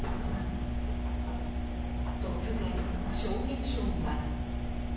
突然、衝撃音が。